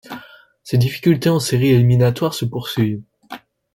Ses difficultés en séries éliminatoires se poursuivent.